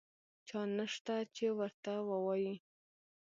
چا نشته چې ورته ووایي.